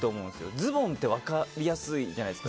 ズボンって分かりやすいじゃないですか。